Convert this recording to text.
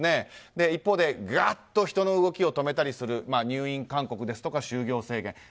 一方で人の動きを止める入院勧告ですとか就業制限。